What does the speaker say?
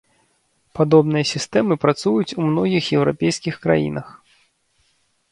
Падобныя сістэмы працуюць у многіх еўрапейскіх краінах.